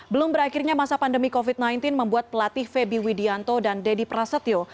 belum berakhirnya masa pandemi covid sembilan belas membuat pelatih feby widianto dan deddy prasetyo